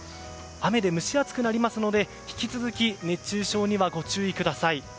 雨で蒸し暑くなりますので引き続き熱中症にはご注意ください。